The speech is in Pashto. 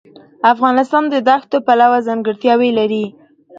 افغانستان د دښتو پلوه ځانګړتیاوې لري.